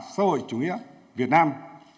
xã hội chủ nghĩa việt nam